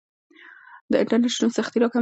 د انټرنیټ شتون سختۍ راکموي.